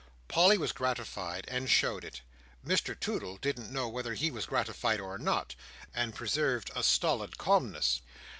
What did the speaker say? Polly was gratified, and showed it. Mr Toodle didn't know whether he was gratified or not, and preserved a stolid calmness.